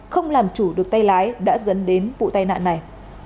không làm chủ được tay lái đã dẫn đến vụ tai nạn này